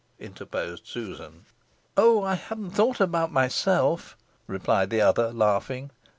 interposed Susan. "Oh, I haven't thought about myself," replied the other, laughing.